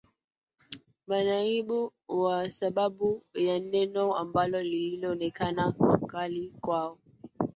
manaibu kwa sababu ya neno moja ambalo lilionekana kuwa kali kwao